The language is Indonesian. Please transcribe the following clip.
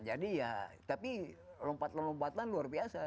jadi ya tapi lompat lompatan luar biasa